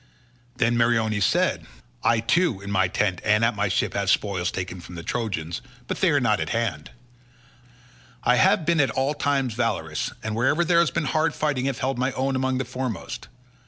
Then Meriones said, "I too in my tent and at my ship have spoils taken from the Trojans, but they are not at hand. I have been at all times valorous, and wherever there has been hard fighting have held my own among the foremost.